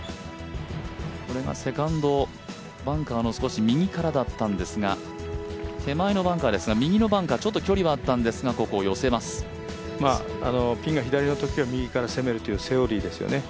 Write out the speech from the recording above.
これがセカンド、バンカーの少し右からだったんですが手前のバンカーですが、右のバンカー、ちょっと距離があったんですが、ピンが左のときは右から攻めるというセオリーですよね。